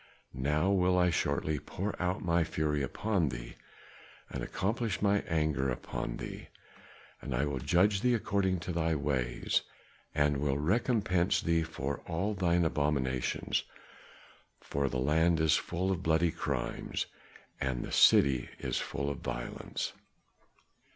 Now will I shortly pour out my fury upon thee and accomplish my anger upon thee. And I will judge thee according to thy ways, and will recompense thee for all thine abominations, for the land is full of bloody crimes, and the city is full of violence."